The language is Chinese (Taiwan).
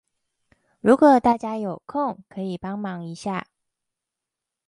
如果大家有空可以幫忙一下